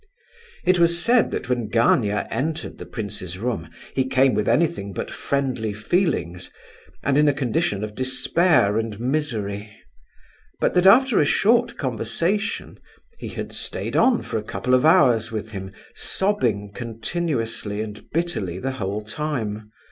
It was said that when Gania entered the prince's room, he came with anything but friendly feelings, and in a condition of despair and misery; but that after a short conversation, he had stayed on for a couple of hours with him, sobbing continuously and bitterly the whole time.